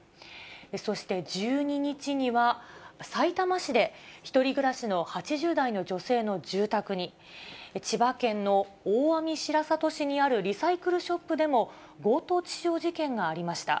そして１２日には、さいたま市で１人暮らしの８０代の女性の住宅に、千葉県の大網白里市にあるリサイクルショップでも、強盗致傷事件がありました。